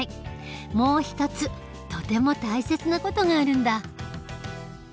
もう一つとても大切な事があるんだ。